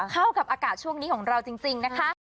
เข้ากับอากาศช่วงนี้ของเราจริงนะคะ